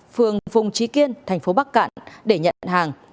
phường phùng trí kiên thành phố bắc cạn để nhận hàng